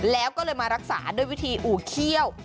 แล้วก็เลยมารักษาด้วยวิธีอู่เขี้ยว